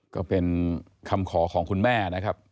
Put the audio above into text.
ก็เป็นคำขอของคุณแม่นะครับ